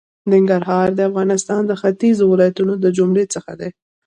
ننګرهار د افغانستان د ختېځو ولایتونو د جملې څخه دی.